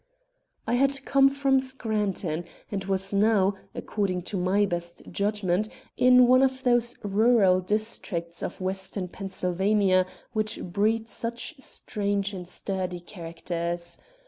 I had come from Scranton and was now, according to my best judgment, in one of those rural districts of western Pennsylvania which breed such strange and sturdy characters.